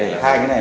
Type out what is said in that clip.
để thay cái này